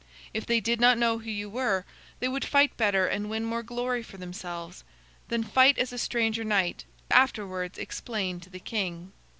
If they did not know who you were, they would fight better and win more glory for themselves. Then fight as a stranger knight, and afterwards explain to the king."